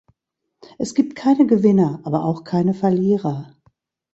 Es gibt keine Gewinner, aber auch keine Verlierer.